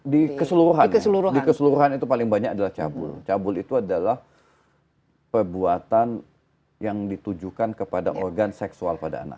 di keseluruhan di keseluruhan itu paling banyak adalah cabul cabul itu adalah perbuatan yang ditujukan kepada organ seksual pada anak